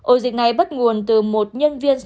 ổ dịch này bắt nguồn từ một nhân viên